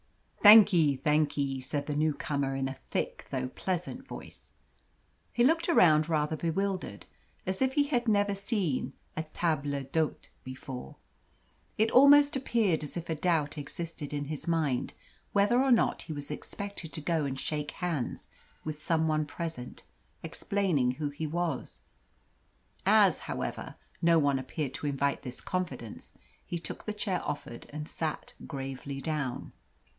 "Thank ye thank ye," said the new comer, in a thick though pleasant voice. He looked around, rather bewildered as if he had never seen a table d'hote before. It almost appeared as if a doubt existed in his mind whether or not he was expected to go and shake hands with some one present, explaining who he was. As, however, no one appeared to invite this confidence he took the chair offered and sat gravely down.